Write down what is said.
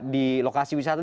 di lokasi wisata